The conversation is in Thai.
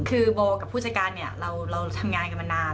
คือโบกับผู้จัดการเนี่ยเราทำงานกันมานาน